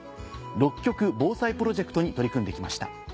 「６局防災プロジェクト」に取り組んできました。